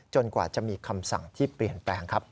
กว่าจะมีคำสั่งที่เปลี่ยนแปลงครับ